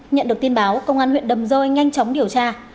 nhận được tin báo công an huyện đầm rơi nhanh chóng điều tra